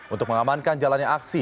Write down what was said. untuk mengamankan jalannya aksi